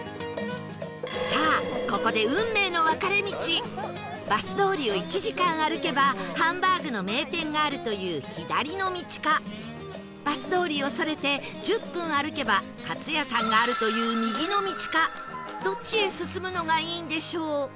さあここでバス通りを１時間歩けばハンバーグの名店があるという左の道かバス通りをそれて１０分歩けばカツ屋さんがあるという右の道かどっちへ進むのがいいんでしょう？